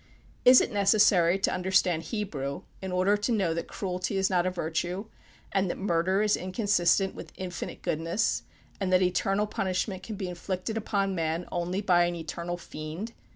Is it necessary to understand Hebrew in order to know that cruelty is not a virtue, and that murder is inconsistent with infinite goodness, and that eternal punishment can be inflicted upon man only by an eternal fiend?